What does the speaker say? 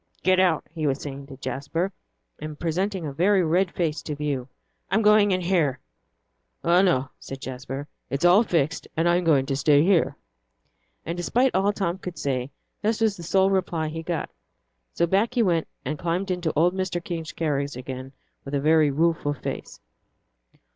"Get out," he was saying to Jasper, and presenting a very red face to view. "I'm going in here." "Oh, no," said Jasper; "it's all fixed, and I'm going to stay here." And despite all Tom could say, this was the sole reply he got. So back he went, and climbed into old Mr. King's carriage again, with a very rueful face.